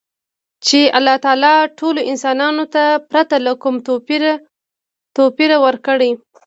چـې اللـه تعـالا ټـولـو انسـانـانـو تـه ،پـرتـه لـه کـوم تـوپـيره ورکـړى.